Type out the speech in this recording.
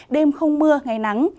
đêm không mưa ngày nắng